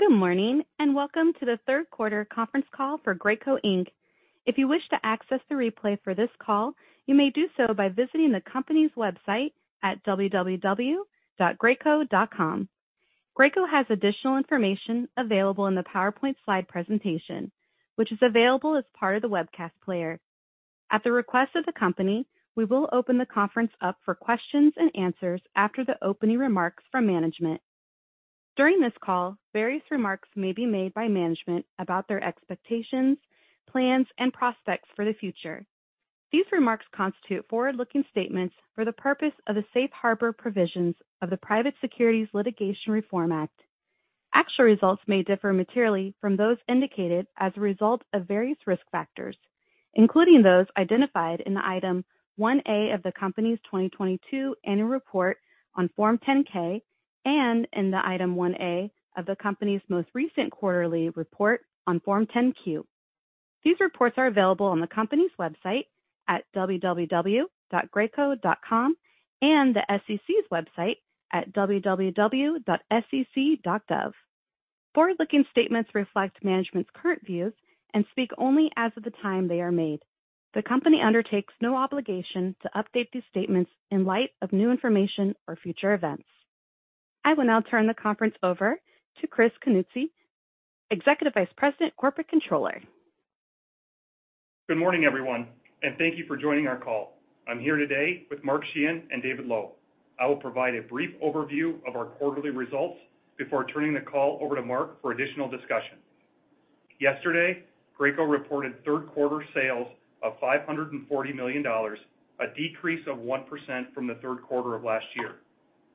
Good morning, and welcome to the Q3 conference call for Graco Inc. If you wish to access the replay for this call, you may do so by visiting the company's website at www.graco.com. Graco has additional information available in the PowerPoint slide presentation, which is available as part of the webcast player. At the request of the company, we will open the conference up for questions and answers after the opening remarks from management. During this call, various remarks may be made by management about their expectations, plans, and prospects for the future. These remarks constitute forward-looking statements for the purpose of the Safe Harbor provisions of the Private Securities Litigation Reform Act. Actual results may differ materially from those indicated as a result of various risk factors, including those identified in Item 1A of the company's 2022 Annual Report on Form 10-K and in Item 1A of the company's most recent quarterly report on Form 10-Q. These reports are available on the company's website at www.graco.com and the SEC's website at www.sec.gov. Forward-looking statements reflect management's current views and speak only as of the time they are made. The company undertakes no obligation to update these statements in light of new information or future events. I will now turn the conference over to Chris Knutson, Executive Vice President, Corporate Controller. Good morning, everyone, and thank you for joining our call. I'm here today with Mark Sheahan and David Lowe. I will provide a brief overview of our quarterly results before turning the call over to Mark for additional discussion. Yesterday, Graco reported Q3 sales of $540 million, a decrease of 1% from the Q3 of last year.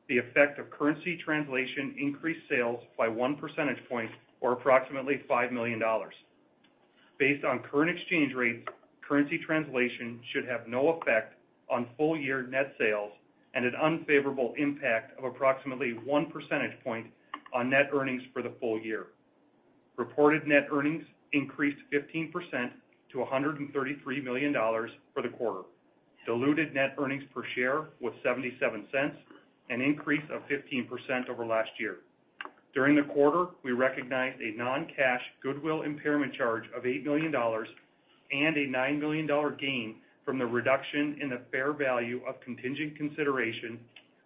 The effect of currency translation increased sales by one percentage point or approximately $5 million. Based on current exchange rates, currency translation should have no effect on full year net sales and an unfavorable impact of approximately one percentage point on net earnings for the full year. Reported net earnings increased 15% to $133 million for the quarter. Diluted net earnings per share was $0.77, an increase of 15% over last year. During the quarter, we recognized a non-cash goodwill impairment charge of $8 million and a $9 million gain from the reduction in the fair value of contingent consideration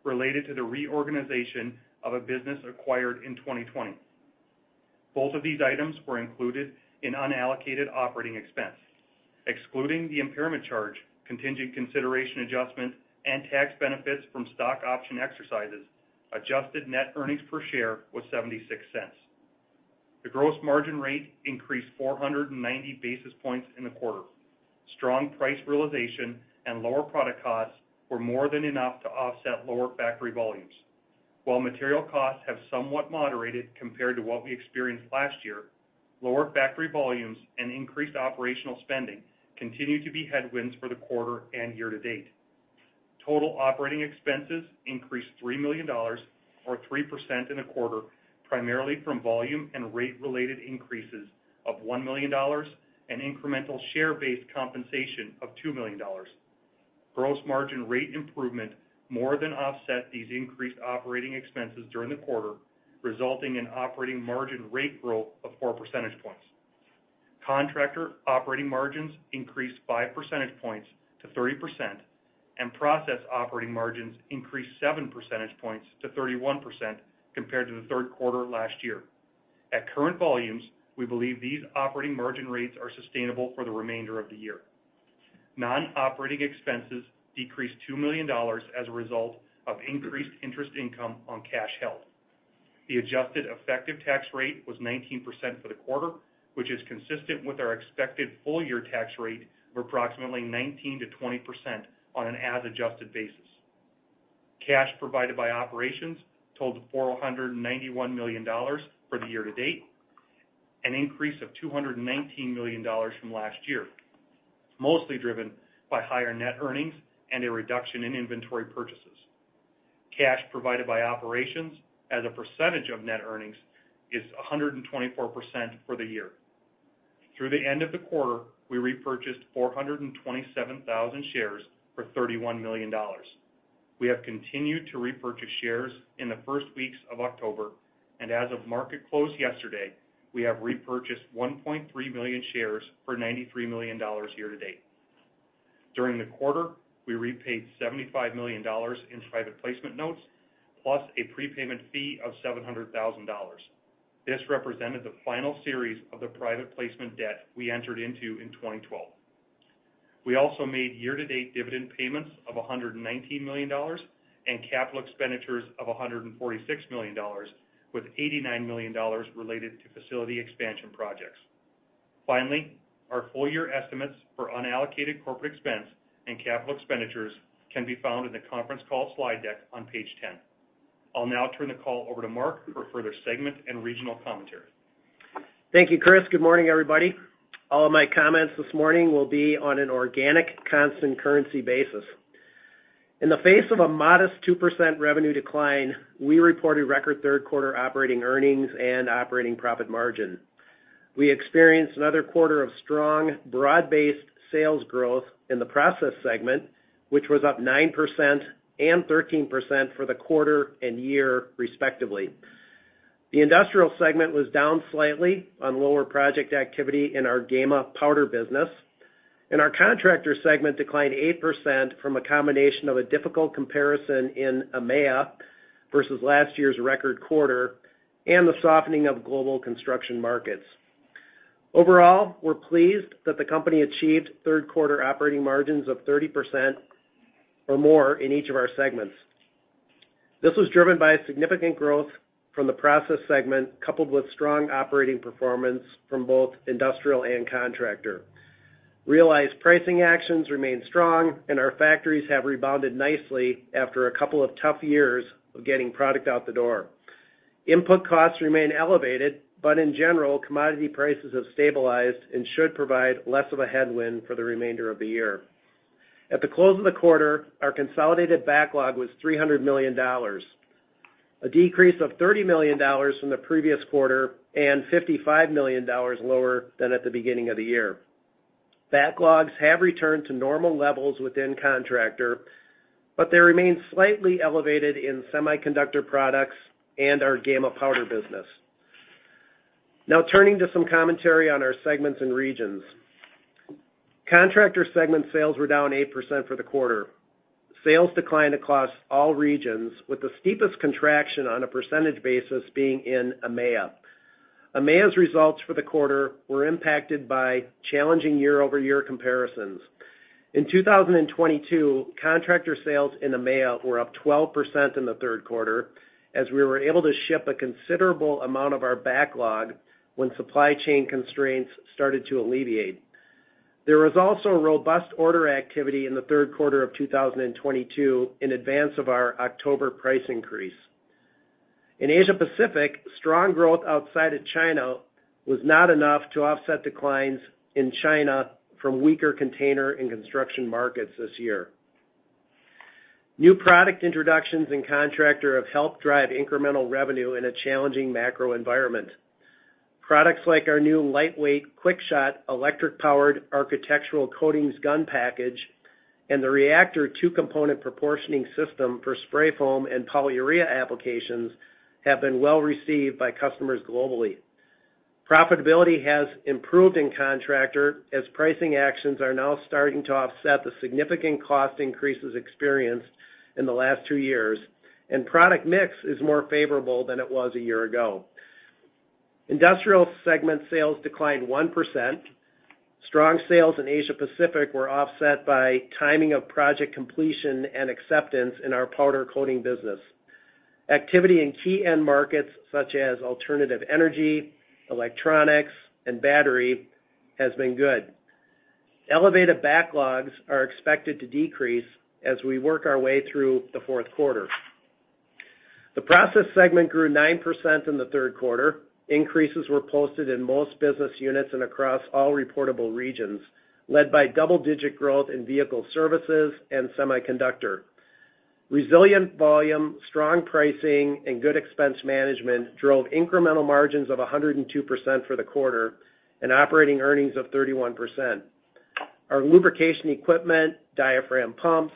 related to the reorganization of a business acquired in 2020. Both of these items were included in unallocated operating expense. Excluding the impairment charge, contingent consideration adjustment, and tax benefits from stock option exercises, adjusted net earnings per share was $0.76. The gross margin rate increased 490 basis points in the quarter. Strong price realization and lower product costs were more than enough to offset lower factory volumes. While material costs have somewhat moderated compared to what we experienced last year, lower factory volumes and increased operational spending continue to be headwinds for the quarter and year to date. Total operating expenses increased $3 million or 3% in the quarter, primarily from volume and rate-related increases of $1 million and incremental share-based compensation of $2 million. Gross margin rate improvement more than offset these increased operating expenses during the quarter, resulting in operating margin rate growth of 4 percentage points. Contractor operating margins increased 5 percentage points to 30%, and process operating margins increased 7 percentage points to 31% compared to the Q3 last year. At current volumes, we believe these operating margin rates are sustainable for the remainder of the year. Non-operating expenses decreased $2 million as a result of increased interest income on cash held. The adjusted effective tax rate was 19% for the quarter, which is consistent with our expected full-year tax rate of approximately 19%-20% on an as adjusted basis. Cash provided by operations totaled $491 million for the year to date, an increase of $219 million from last year, mostly driven by higher net earnings and a reduction in inventory purchases. Cash provided by operations as a percentage of net earnings is 124% for the year. Through the end of the quarter, we repurchased 427,000 shares for $31 million. We have continued to repurchase shares in the first weeks of October, and as of market close yesterday, we have repurchased 1.3 million shares for $93 million year to date. During the quarter, we repaid $75 million in Private Placement Notes, plus a prepayment fee of $700,000. This represented the final series of the Private Placement debt we entered into in 2012. We also made year-to-date dividend payments of $119 million and capital expenditures of $146 million, with $89 million related to facility expansion projects. Finally, our full year estimates for unallocated corporate expense and capital expenditures can be found in the conference call slide deck on page 10. I'll now turn the call over to Mark for further segment and regional commentary. Thank you, Chris. Good morning, everybody. All of my comments this morning will be on an organic, constant currency basis. In the face of a modest 2% revenue decline, we reported record Q3 operating earnings and operating profit margin.... We experienced another quarter of strong, broad-based sales growth in the process segment, which was up 9% and 13% for the quarter and year, respectively. The industrial segment was down slightly on lower project activity in our Gema powder business, and our contractor segment declined 8% from a combination of a difficult comparison in EMEA versus last year's record quarter and the softening of global construction markets. Overall, we're pleased that the company achieved Q3 operating margins of 30% or more in each of our segments. This was driven by a significant growth from the process segment, coupled with strong operating performance from both industrial and contractor. Realized pricing actions remain strong, and our factories have rebounded nicely after a couple of tough years of getting product out the door. Input costs remain elevated, but in general, commodity prices have stabilized and should provide less of a headwind for the remainder of the year. At the close of the quarter, our consolidated backlog was $300 million, a decrease of $30 million from the previous quarter and $55 million lower than at the beginning of the year. Backlogs have returned to normal levels within Contractor, but they remain slightly elevated in semiconductor products and our Gema powder business. Now turning to some commentary on our segments and regions. Contractor segment sales were down 8% for the quarter. Sales declined across all regions, with the steepest contraction on a percentage basis being in EMEA. EMEA's results for the quarter were impacted by challenging year-over-year comparisons. In 2022, contractor sales in EMEA were up 12% in the Q3, as we were able to ship a considerable amount of our backlog when supply chain constraints started to alleviate. There was also a robust order activity in the Q3 of 2022 in advance of our October price increase. In Asia Pacific, strong growth outside of China was not enough to offset declines in China from weaker container and construction markets this year. New product introductions and contractor have helped drive incremental revenue in a challenging macro environment. Products like our new lightweight, Quicks-Shot, electric-powered architectural coatings gun package, and the Reactor two-component proportioning system for spray foam and polyurea applications, have been well received by customers globally. Profitability has improved in contractor as pricing actions are now starting to offset the significant cost increases experienced in the last two years, and product mix is more favorable than it was a year ago. Industrial segment sales declined 1%. Strong sales in Asia Pacific were offset by timing of project completion and acceptance in our powder coating business. Activity in key end markets such as alternative energy, electronics, and battery, has been good. Elevated backlogs are expected to decrease as we work our way through the Q4. The process segment grew 9% in the Q3. Increases were posted in most business units and across all reportable regions, led by double-digit growth in vehicle services and semiconductor. Resilient volume, strong pricing, and good expense management drove incremental margins of 102% for the quarter and operating earnings of 31%. Our lubrication equipment, diaphragm pumps,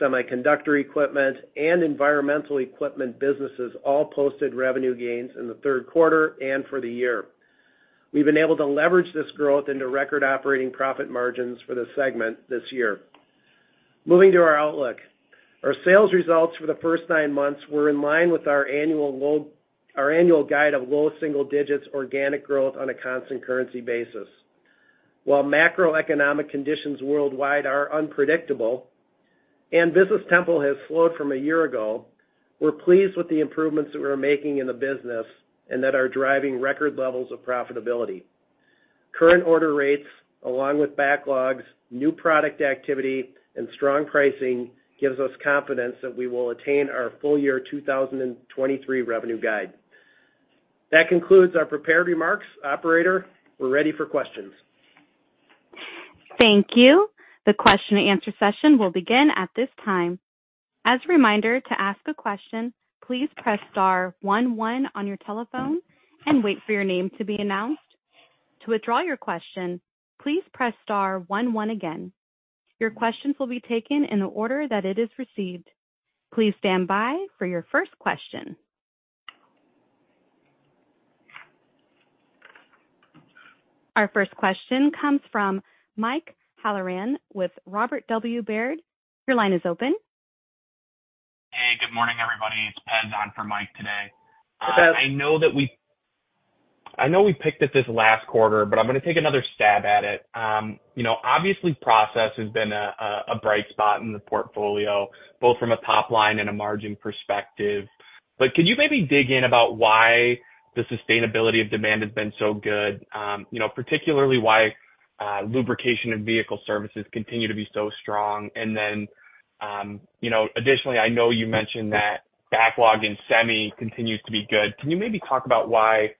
semiconductor equipment, and environmental equipment businesses all posted revenue gains in the Q3 and for the year. We've been able to leverage this growth into record operating profit margins for the segment this year. Moving to our outlook. Our sales results for the first nine months were in line with our annual low—our annual guide of low single digits organic growth on a constant currency basis. While macroeconomic conditions worldwide are unpredictable and business tempo has slowed from a year ago, we're pleased with the improvements that we're making in the business and that are driving record levels of profitability. Current order rates, along with backlogs, new product activity, and strong pricing, gives us confidence that we will attain our full-year 2023 revenue guide. That concludes our prepared remarks. Operator, we're ready for questions. Thank you. The question and answer session will begin at this time. As a reminder, to ask a question, please press star one, one on your telephone and wait for your name to be announced. To withdraw your question, please press star one, one again. Your questions will be taken in the order that it is received. Please stand by for your first question. Our first question comes from Mike Halloran with Robert W. Baird. Your line is open. Hey, good morning, everybody. It's Pez on for Mike today. I know we picked at this last quarter, but I'm gonna take another stab at it. You know, obviously, process has been a bright spot in the portfolio, both from a top line and a margin perspective. But can you maybe dig in about why the sustainability of demand has been so good? You know, particularly why lubrication and vehicle services continue to be so strong. And then, you know, additionally, I know you mentioned that backlog in semi continues to be good. Can you maybe talk about why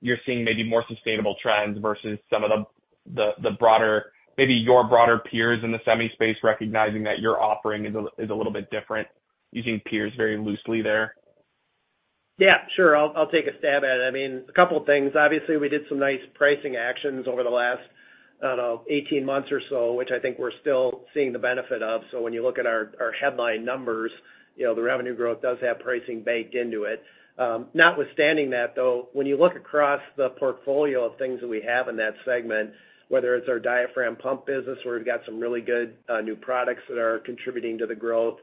you're seeing maybe more sustainable trends versus some of the other, the broader, maybe your broader peers in the semi space, recognizing that your offering is a little bit different, using peers very loosely there? Yeah, sure. I'll take a stab at it. I mean, a couple things. Obviously, we did some nice pricing actions over the last, I don't know, 18 months or so, which I think we're still seeing the benefit of. So when you look at our headline numbers, you know, the revenue growth does have pricing baked into it. Notwithstanding that, though, when you look across the portfolio of things that we have in that segment, whether it's our diaphragm pump business, where we've got some really good new products that are contributing to the growth.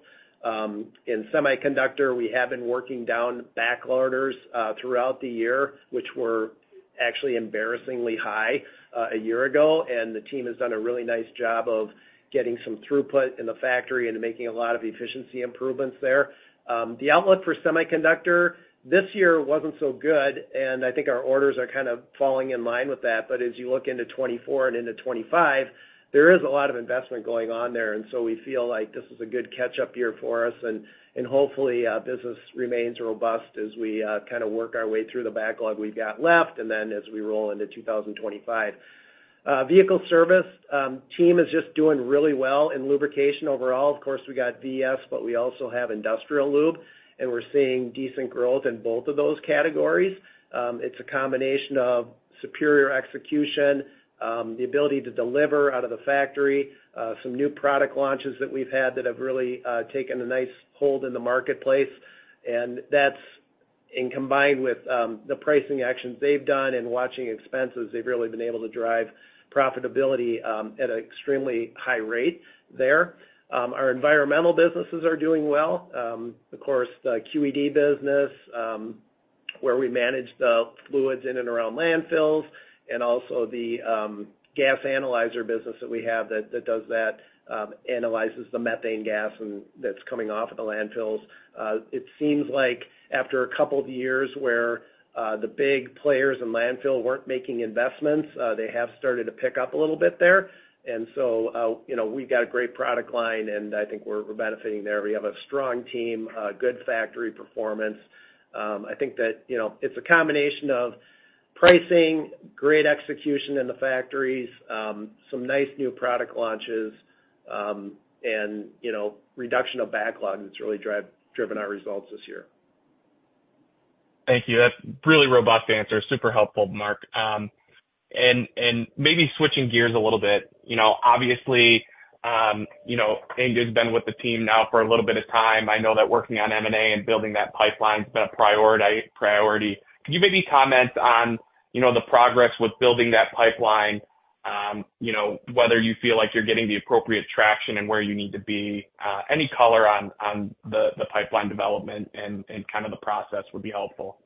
In semiconductor, we have been working down back orders throughout the year, which were actually embarrassingly high a year ago, and the team has done a really nice job of getting some throughput in the factory and making a lot of efficiency improvements there. The outlook for semiconductor this year wasn't so good, and I think our orders are kind of falling in line with that. But as you look into 2024 and into 2025, there is a lot of investment going on there, and so we feel like this is a good catch-up year for us. And, and hopefully, business remains robust as we kind of work our way through the backlog we've got left and then as we roll into 2025. Vehicle service team is just doing really well in lubrication overall. Of course, we got VS, but we also have industrial lube, and we're seeing decent growth in both of those categories. It's a combination of superior execution, the ability to deliver out of the factory, some new product launches that we've had that have really taken a nice hold in the marketplace. And that's, and combined with, the pricing actions they've done and watching expenses, they've really been able to drive profitability, at an extremely high rate there. Our environmental businesses are doing well. Of course, the QED business, where we manage the fluids in and around landfills, and also the, gas analyzer business that we have, that, that does that, analyzes the methane gas and-- that's coming off of the landfills. It seems like after a couple of years where, the big players in landfill weren't making investments, they have started to pick up a little bit there. And so, you know, we've got a great product line, and I think we're, we're benefiting there. We have a strong team, good factory performance. I think that, you know, it's a combination of pricing, great execution in the factories, some nice new product launches, and, you know, reduction of backlog that's really driven our results this year. Thank you. That's really robust answer. Super helpful, Mark. And maybe switching gears a little bit. You know, obviously, you know, Inga's been with the team now for a little bit of time. I know that working on M&A and building that pipeline has been a priority. Could you maybe comment on, you know, the progress with building that pipeline? You know, whether you feel like you're getting the appropriate traction and where you need to be, any color on the pipeline development and kind of the process would be helpful.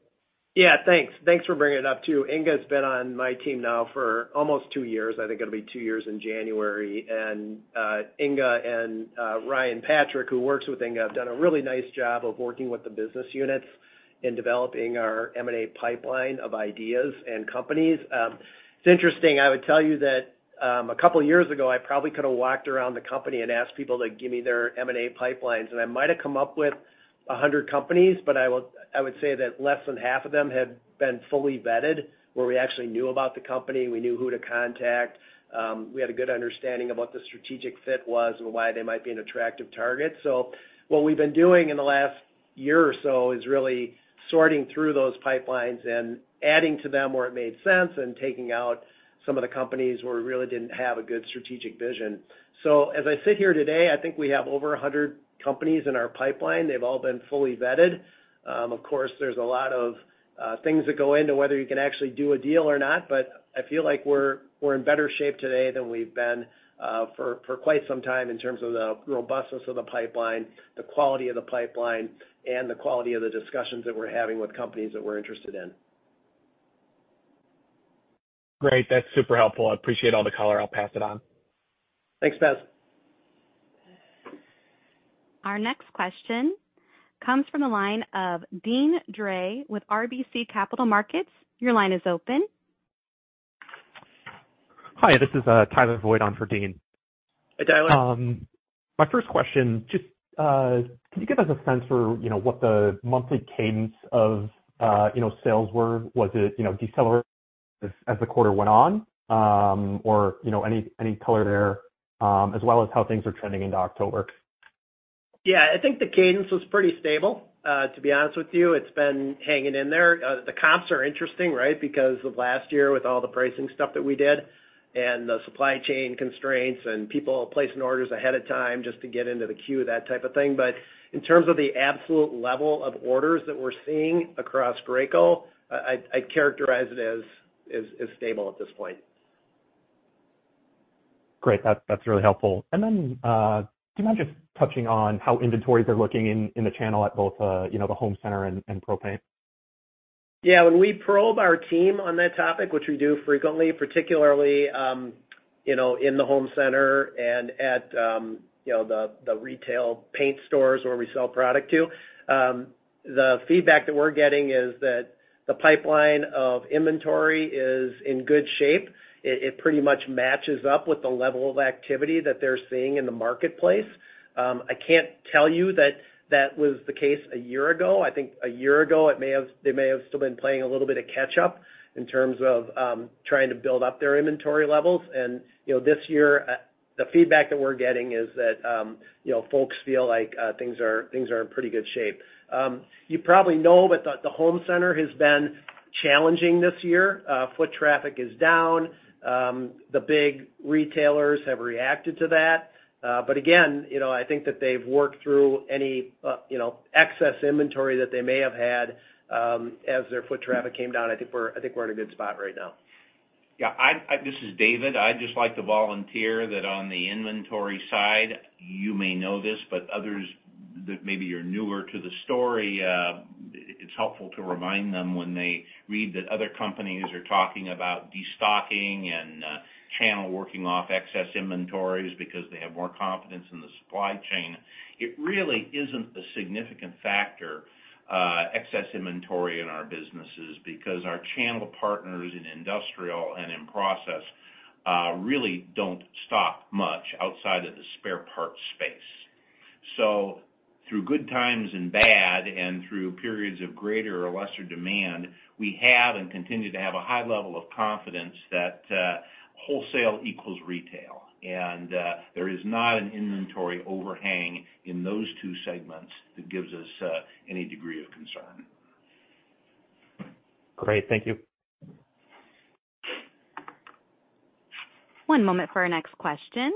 Yeah, thanks. Thanks for bringing it up, too. Inga's been on my team now for almost two years. I think it'll be two years in January. And Inga and Ryan Patrick, who works with Inga, have done a really nice job of working with the business units in developing our M&A pipeline of ideas and companies. It's interesting. I would tell you that a couple of years ago, I probably could have walked around the company and asked people to give me their M&A pipelines, and I might have come up with 100 companies, but I would say that less than half of them had been fully vetted, where we actually knew about the company, we knew who to contact, we had a good understanding of what the strategic fit was and why they might be an attractive target. So what we've been doing in the last year or so is really sorting through those pipelines and adding to them where it made sense and taking out some of the companies where we really didn't have a good strategic vision. So as I sit here today, I think we have over 100 companies in our pipeline. They've all been fully vetted. Of course, there's a lot of things that go into whether you can actually do a deal or not, but I feel like we're in better shape today than we've been for quite some time in terms of the robustness of the pipeline, the quality of the pipeline, and the quality of the discussions that we're having with companies that we're interested in. Great. That's super helpful. I appreciate all the color. I'll pass it on. Thanks, Pez. Our next question comes from the line of Deane Dray with RBC Capital Markets. Your line is open. Hi, this is Tyler Voigt on for Deane. Hi, Tyler. My first question, just can you give us a sense for, you know, what the monthly cadence of, you know, sales were? Was it, you know, decelerate as the quarter went on, or, you know, any color there, as well as how things are trending into October? Yeah, I think the cadence was pretty stable, to be honest with you. It's been hanging in there. The comps are interesting, right? Because of last year, with all the pricing stuff that we did and the supply chain constraints and people placing orders ahead of time just to get into the queue, that type of thing. But in terms of the absolute level of orders that we're seeing across Graco, I'd characterize it as stable at this point. Great. That's, that's really helpful. And then, do you mind just touching on how inventories are looking in the channel at both, you know, the home center and propane? Yeah. When we probe our team on that topic, which we do frequently, particularly, you know, in the home center and at, you know, the retail paint stores where we sell product to, the feedback that we're getting is that the pipeline of inventory is in good shape. It pretty much matches up with the level of activity that they're seeing in the marketplace. I can't tell you that that was the case a year ago. I think a year ago, it may have--they may have still been playing a little bit of catch up in terms of trying to build up their inventory levels. And, you know, this year, the feedback that we're getting is that, you know, folks feel like things are in pretty good shape. You probably know that the home center has been challenging this year. Foot traffic is down. The big retailers have reacted to that. But again, you know, I think that they've worked through any, you know, excess inventory that they may have had, as their foot traffic came down. I think we're in a good spot right now. Yeah, this is David. I'd just like to volunteer that on the inventory side, you may know this, but others that maybe you're newer to the story, it's helpful to remind them when they read that other companies are talking about destocking and, channel working off excess inventories because they have more confidence in the supply chain. It really isn't a significant factor, excess inventory in our businesses, because our channel partners in Industrial and Process really don't stock much outside of the spare parts space. So through good times and bad, and through periods of greater or lesser demand, we have and continue to have a high level of confidence that, wholesale equals retail, and, there is not an inventory overhang in those two segments that gives us any degree of concern. Great, thank you. One moment for our next question.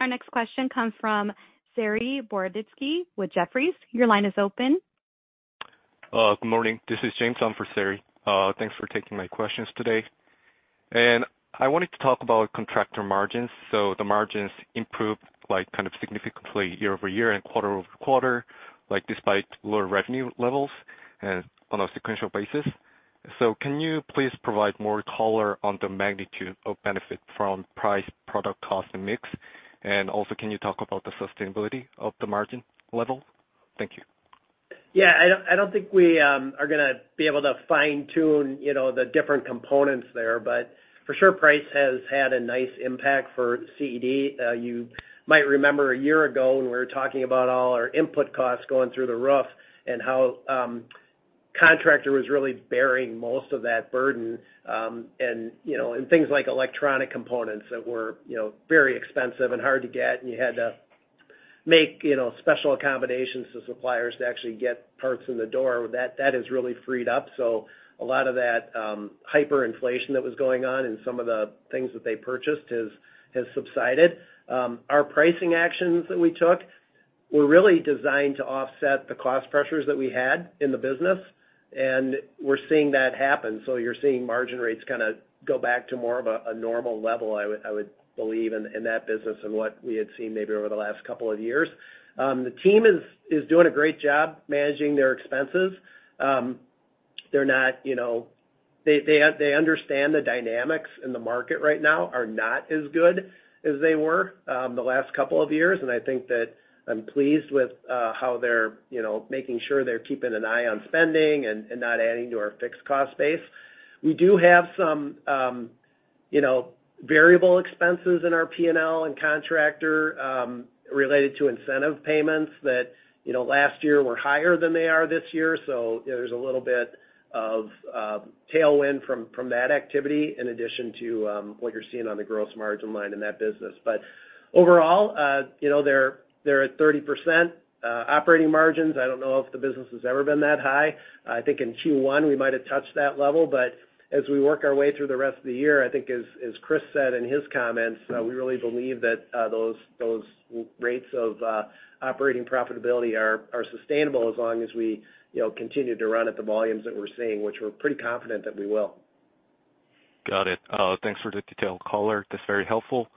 Our next question comes from Saree Boroditsky with Jefferies. Your line is open. Good morning. This is James, on for Saree. Thanks for taking my questions today. I wanted to talk about contractor margins. The margins improved, like, kind of significantly year-over-year and quarter-over-quarter, like, despite lower revenue levels and on a sequential basis. Can you please provide more color on the magnitude of benefit from price, product, cost, and mix? Also, can you talk about the sustainability of the margin level? Thank you. Yeah, I don't, I don't think we are gonna be able to fine-tune, you know, the different components there, but for sure, price has had a nice impact for CED. You might remember a year ago when we were talking about all our input costs going through the roof and how Contractor was really bearing most of that burden. And, you know, and things like electronic components that were, you know, very expensive and hard to get, and you had to make, you know, special accommodations to suppliers to actually get parts in the door. That has really freed up. So a lot of that hyperinflation that was going on in some of the things that they purchased has subsided. Our pricing actions that we took were really designed to offset the cost pressures that we had in the business, and we're seeing that happen. So you're seeing margin rates kinda go back to more of a normal level, I would believe, in that business than what we had seen maybe over the last couple of years. The team is doing a great job managing their expenses. They're not, you know... They understand the dynamics in the market right now are not as good as they were, the last couple of years, and I think that I'm pleased with how they're, you know, making sure they're keeping an eye on spending and not adding to our fixed cost base. We do have some, you know, variable expenses in our P&L and Contractor related to incentive payments that, you know, last year were higher than they are this year. So there's a little bit of tailwind from that activity in addition to what you're seeing on the gross margin line in that business. But overall, you know, they're at 30% operating margins. I don't know if the business has ever been that high. I think in Q1, we might have touched that level, but as we work our way through the rest of the year, I think as Chris said in his comments, we really believe that those rates of operating profitability are sustainable as long as we, you know, continue to run at the volumes that we're seeing, which we're pretty confident that we will. Got it. Thanks for the detailed color. That's very helpful.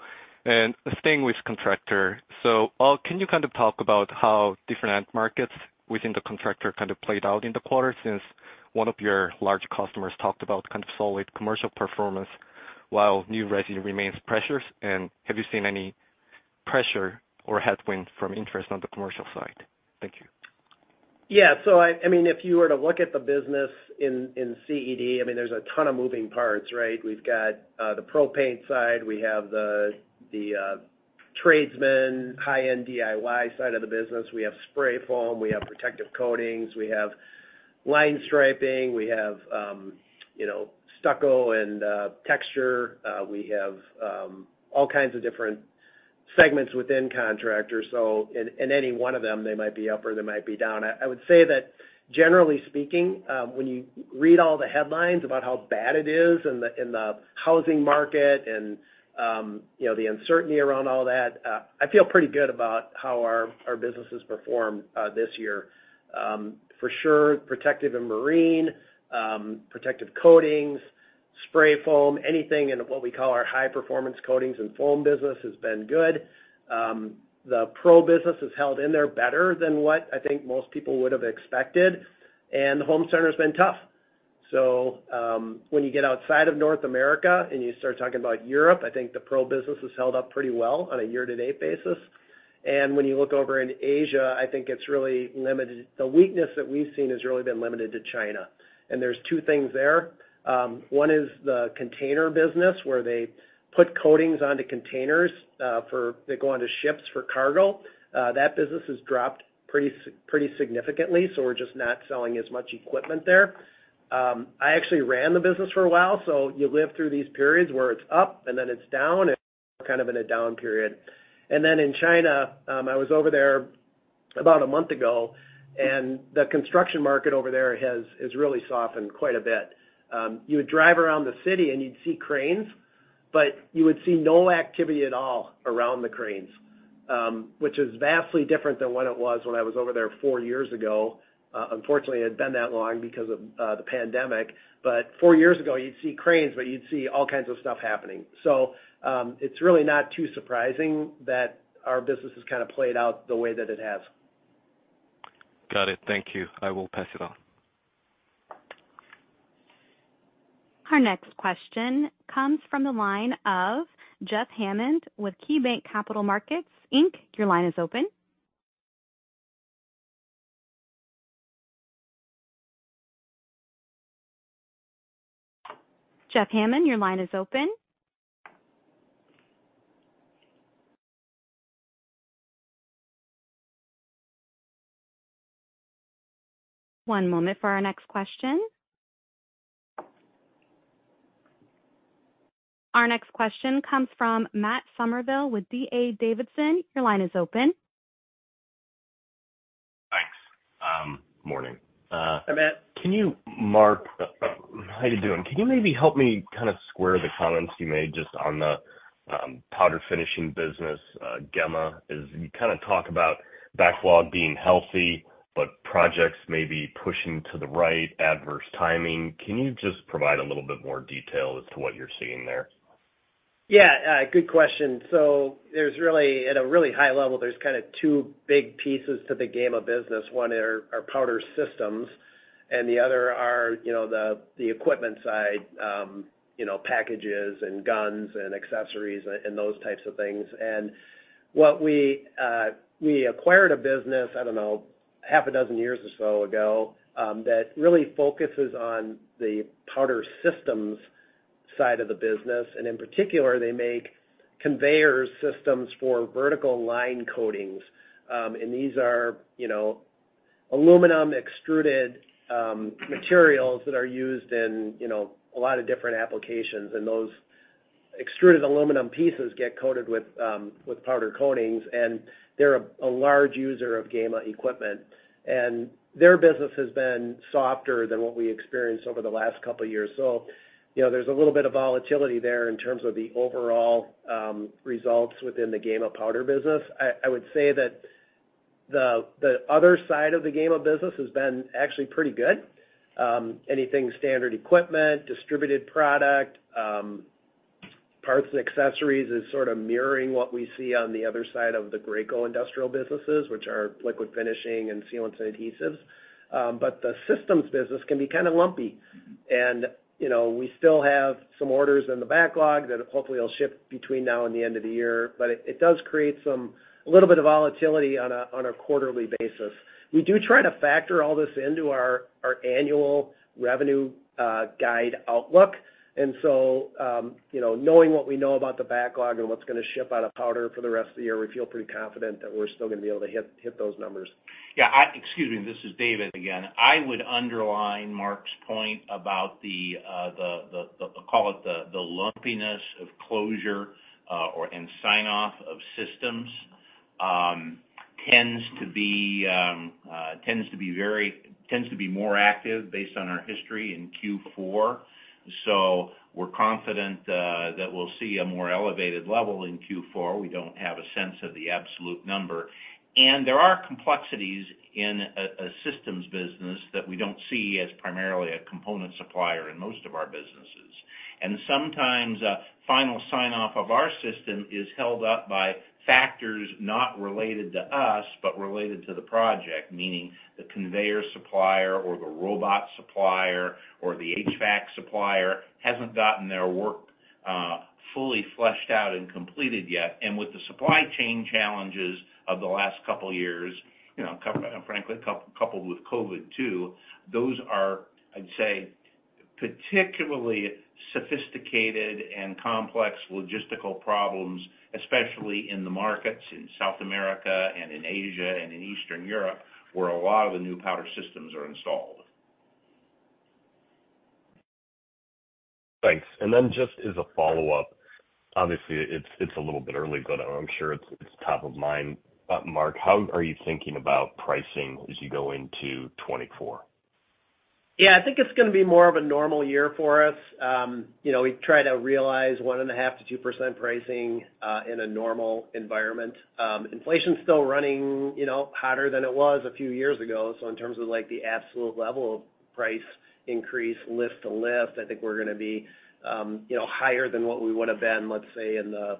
And staying with Contractor, so, can you kind of talk about how different end markets within the Contractor kind of played out in the quarter, since one of your large customers talked about kind of solid commercial performance, while new resi remains pressured? And have you seen any pressure or headwind from interest on the commercial side? Thank you. Yeah, so I mean, if you were to look at the business in CED, I mean, there's a ton of moving parts, right? We've got the propane side. We have the tradesmen, high-end DIY side of the business. We have spray foam, we have protective coatings, we have line striping, we have, you know, stucco and texture. We have all kinds of different segments within Contractor, so in any one of them, they might be up or they might be down. I would say that generally speaking, when you read all the headlines about how bad it is in the housing market and, you know, the uncertainty around all that, I feel pretty good about how our business has performed this year. For sure, protective and marine, protective coatings, spray foam, anything in what we call our high-performance coatings and foam business has been good. The pro business has held in there better than what I think most people would have expected, and the home center's been tough. When you get outside of North America and you start talking about Europe, I think the pro business has held up pretty well on a year-to-date basis. When you look over in Asia, I think it's really limited—the weakness that we've seen has really been limited to China. There's two things there. One is the container business, where they put coatings onto containers for—they go onto ships for cargo. That business has dropped pretty significantly, so we're just not selling as much equipment there. I actually ran the business for a while, so you live through these periods where it's up and then it's down, and kind of in a down period. And then in China, I was over there about a month ago, and the construction market over there has really softened quite a bit. You would drive around the city and you'd see cranes, but you would see no activity at all around the cranes, which is vastly different than what it was when I was over there four years ago. Unfortunately, it had been that long because of the pandemic. But four years ago, you'd see cranes, but you'd see all kinds of stuff happening. So, it's really not too surprising that our business has kind of played out the way that it has. Got it. Thank you. I will pass it on. Our next question comes from the line of Jeff Hammond with KeyBanc Capital Markets, Inc. Your line is open. Jeff Hammond, your line is open. One moment for our next question. Our next question comes from Matt Summerville with D.A. Davidson. Your line is open. Thanks. Morning. Hi, Matt. Can you, Mark, how you doing? Can you maybe help me kind of square the comments you made just on the powder finishing business, Gema? You kind of talk about backlog being healthy, but projects may be pushing to the right, adverse timing. Can you just provide a little bit more detail as to what you're seeing there? Yeah, good question. So there's really, at a really high level, there's kind of two big pieces to the Gema business. One are powder systems, and the other are, you know, the equipment side, you know, packages and guns and accessories and those types of things. And what we acquired a business, I don't know, half a dozen years or so ago, that really focuses on the powder systems side of the business. And in particular, they make conveyor systems for vertical line coatings. And these are, you know, aluminum extruded materials that are used in, you know, a lot of different applications, and those extruded aluminum pieces get coated with powder coatings, and they're a large user of Gema equipment. And their business has been softer than what we experienced over the last couple of years. So you know, there's a little bit of volatility there in terms of the overall results within the Gema powder business. I would say that the other side of the Gema business has been actually pretty good. Anything standard equipment, distributed product, parts and accessories is sort of mirroring what we see on the other side of the Graco Industrial businesses, which are liquid finishing and sealants adhesives. But the systems business can be kind of lumpy. And, you know, we still have some orders in the backlog that hopefully will ship between now and the end of the year, but it does create some a little bit of volatility on a quarterly basis. We do try to factor all this into our annual revenue guide outlook, and so, you know, knowing what we know about the backlog and what's gonna ship out of powder for the rest of the year, we feel pretty confident that we're still gonna be able to hit those numbers. Yeah, excuse me, this is David again. I would underline Mark's point about the call it the lumpiness of closure or sign-off of systems tends to be more active based on our history in Q4. So we're confident that we'll see a more elevated level in Q4. We don't have a sense of the absolute number. And there are complexities in a systems business that we don't see as primarily a component supplier in most of our businesses. And sometimes a final sign-off of our system is held up by factors not related to us, but related to the project, meaning the conveyor supplier or the robot supplier or the HVAC supplier hasn't gotten their work fully fleshed out and completed yet. With the supply chain challenges of the last couple of years, you know, and frankly, coupled with COVID, too, those are, I'd say, particularly sophisticated and complex logistical problems, especially in the markets in South America and in Asia and in Eastern Europe, where a lot of the new powder systems are installed. Thanks. And then just as a follow-up, obviously, it's a little bit early, but I'm sure it's top of mind. Mark, how are you thinking about pricing as you go into 2024? Yeah, I think it's gonna be more of a normal year for us. You know, we try to realize 1.5%-2% pricing in a normal environment. Inflation's still running, you know, hotter than it was a few years ago. So in terms of, like, the absolute level of price increase lift to lift, I think we're gonna be, you know, higher than what we would have been, let's say, in the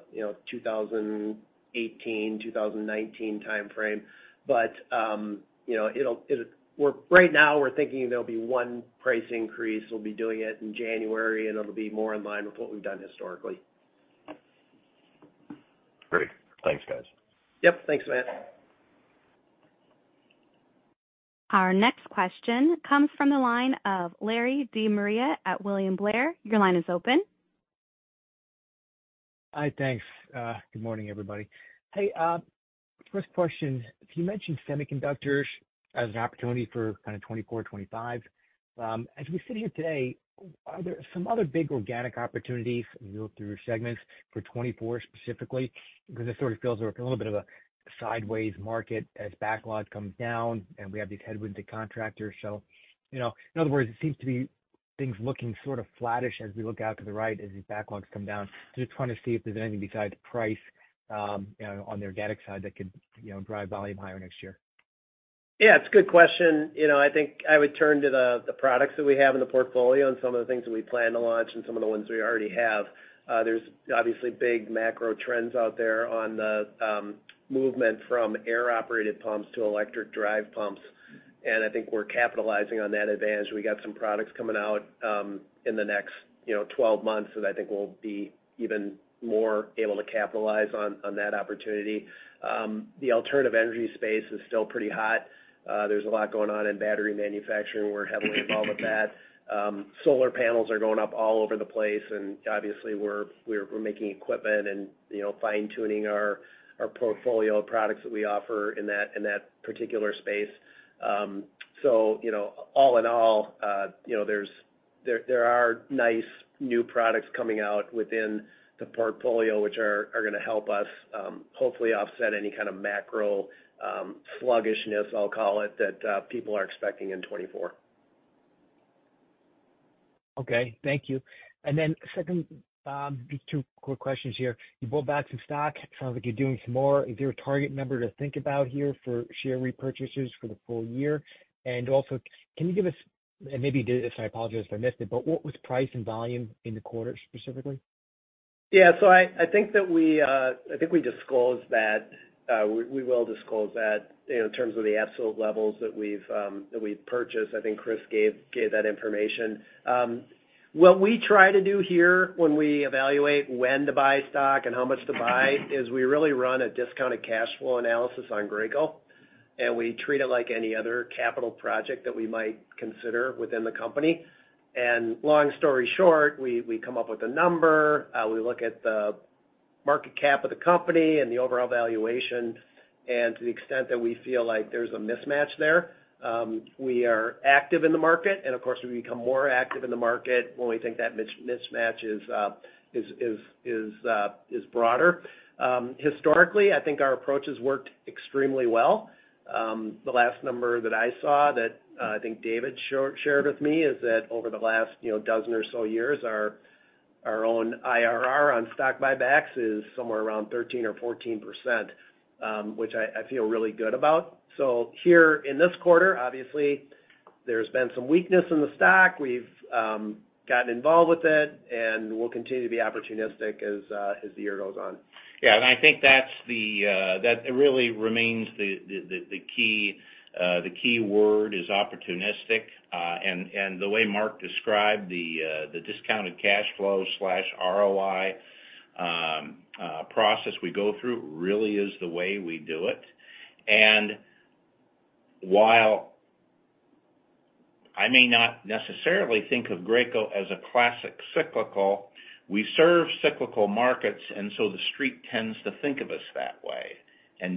2018, 2019 timeframe. But, you know, it'll be one price increase. We'll be doing it in January, and it'll be more in line with what we've done historically. Great. Thanks, guys. Yep. Thanks, Matt. Our next question comes from the line of Larry De Maria at William Blair. Your line is open. Hi, thanks. Good morning, everybody. Hey, first question: You mentioned semiconductors as an opportunity for kind of 2024, 2025. As we sit here today, are there some other big organic opportunities as you go through segments for 2024 specifically? Because it sort of feels like a little bit of a sideways market as backlog comes down, and we have these headwinds to contractors. So, you know, in other words, it seems to be things looking sort of flattish as we look out to the right, as these backlogs come down. Just trying to see if there's anything besides price, you know, on the organic side that could, you know, drive volume higher next year. Yeah, it's a good question. You know, I think I would turn to the products that we have in the portfolio and some of the things that we plan to launch and some of the ones we already have. There's obviously big macro trends out there on the movement from air-operated pumps to electric drive pumps, and I think we're capitalizing on that advantage. We got some products coming out in the next, you know, 12 months that I think will be even more able to capitalize on that opportunity. The alternative energy space is still pretty hot. There's a lot going on in battery manufacturing. We're heavily involved with that. Solar panels are going up all over the place, and obviously, we're making equipment and, you know, fine-tuning our portfolio of products that we offer in that particular space. So, you know, all in all, you know, there's there are nice new products coming out within the portfolio, which are gonna help us, hopefully offset any kind of macro sluggishness, I'll call it, that people are expecting in 2024. Okay, thank you. And then second, just two quick questions here. You bought back some stock. Sounds like you're doing some more. Is there a target number to think about here for share repurchases for the full year? And also, can you give us, and maybe you did this, I apologize if I missed it, but what was price and volume in the quarter, specifically? Yeah. So I think that we disclosed that we will disclose that, in terms of the absolute levels that we've purchased. I think Chris gave that information. What we try to do here when we evaluate when to buy stock and how much to buy is we really run a discounted cash flow analysis on Graco, and we treat it like any other capital project that we might consider within the company. And long story short, we come up with a number, we look at the market cap of the company and the overall valuation, and to the extent that we feel like there's a mismatch there, we are active in the market. Of course, we become more active in the market when we think that mismatch is broader. Historically, I think our approach has worked extremely well. The last number that I saw that I think David shared with me is that over the last, you know, dozen or so years, our own IRR on stock buybacks is somewhere around 13 or 14%, which I feel really good about. So here in this quarter, obviously, there's been some weakness in the stock. We've gotten involved with it, and we'll continue to be opportunistic as the year goes on. Yeah, I think that really remains the key word is opportunistic, and the way Mark described the discounted cash flow/ROI process we go through really is the way we do it. While I may not necessarily think of Graco as a classic cyclical, we serve cyclical markets, and so the street tends to think of us that way.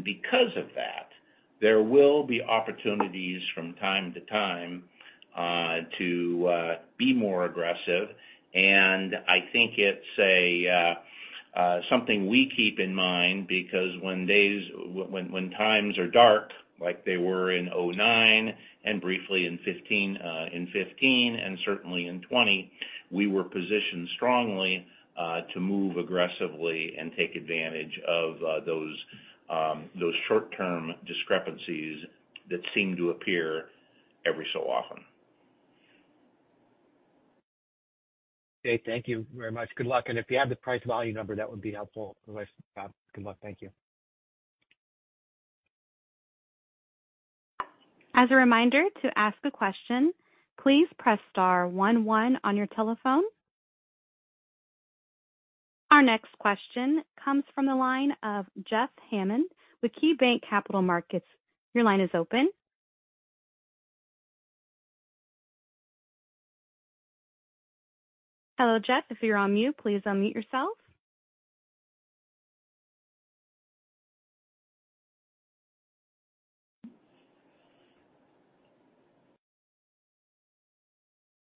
Because of that, there will be opportunities from time to time to be more aggressive. I think it's something we keep in mind, because when times are dark, like they were in 2009 and briefly in 2015 and certainly in 2020, we were positioned strongly to move aggressively and take advantage of those short-term discrepancies that seem to appear every so often. Okay, thank you very much. Good luck, and if you have the price volume number, that would be helpful. Good luck. Thank you. As a reminder, to ask a question, please press star one, one on your telephone. Our next question comes from the line of Jeff Hammond with KeyBanc Capital Markets. Your line is open. Hello, Jeff, if you're on mute, please unmute yourself.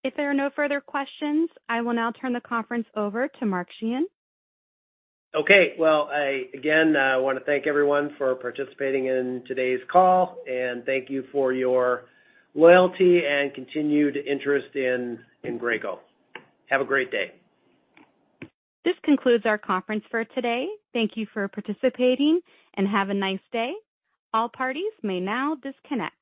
If there are no further questions, I will now turn the conference over to Mark Sheahan. Okay. Well, I again, want to thank everyone for participating in today's call, and thank you for your loyalty and continued interest in, in Graco. Have a great day. This concludes our conference for today. Thank you for participating, and have a nice day. All parties may now disconnect.